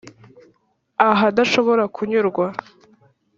ahadashobora kunyurwa?